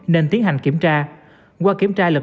nên tiến hành kiểm tra